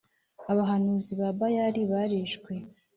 abahanuzi ba Bayali barishwe